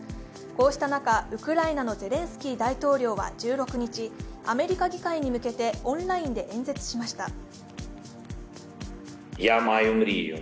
こうした中、ウクライナのゼレンスキー大統領は１６日、アメリカ議会に向けてオンラインで演説しました。